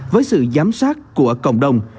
với sự giám sát của cộng đồng